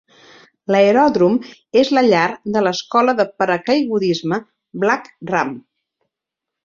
L'aeròdrom és la llar de l'Escola de Paracaigudisme Black Ram.